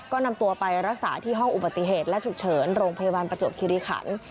ก็นำตัวไปรักษาที่ห้องอุบัติเหตุและฉุกเฉินโรงพยาบาลประจวบคิริขัน